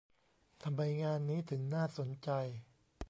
ทำไมงานนี้ถึงน่าสนใจ